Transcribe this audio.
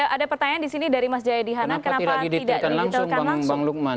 ada pertanyaan di sini dari mas jaya dihanat kenapa tidak didetilkan langsung bang lukman